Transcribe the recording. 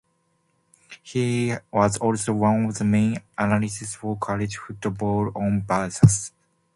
He was also one of the main analysts for "College Football on Versus".